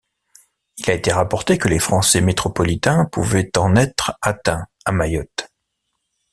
Il a été rapporté que les Français métropolitains pouvaient en être atteints à Mayotte.